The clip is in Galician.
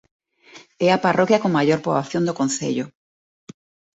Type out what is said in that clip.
É a parroquia con maior poboación do concello.